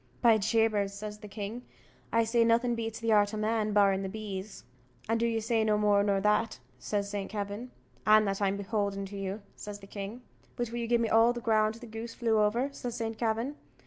"By Jabers," says the king, "I say nothing beats the art o' man, barring the bees." "And do you say no more nor that?" says Saint Kavin. "And that I'm beholden to you," says the king. "But will you gi'e me all the ground the goose flew over?" says Saint Kavin.